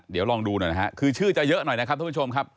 เดี๋ยวลองดูหน่อยนะฮะคือชื่อจะเยอะหน่อยนะครับทุกผู้ชมครับ